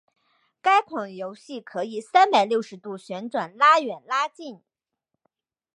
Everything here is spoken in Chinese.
该款游戏可以三百六十度旋转拉远拉近。